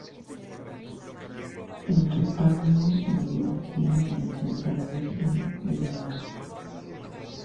El retablo mayor tiene en el centro a la Virgen de Gracia.